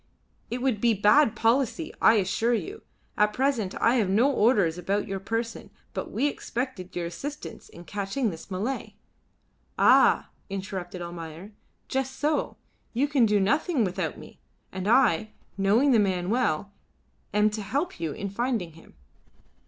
"It would be bad policy, I assure you. At present I have no orders about your person, but we expected your assistance in catching this Malay." "Ah!" interrupted Almayer, "just so: you can do nothing without me, and I, knowing the man well, am to help you in finding him."